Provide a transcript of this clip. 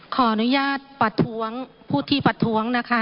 ขออนุญาตประท้วง